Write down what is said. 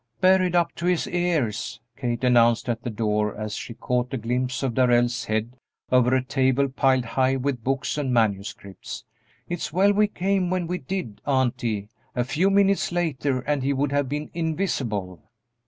"Buried up to his ears!" Kate announced at the door, as she caught a glimpse of Darrell's head over a table piled high with books and manuscripts; "it's well we came when we did, auntie; a few minutes later and he would have been invisible!"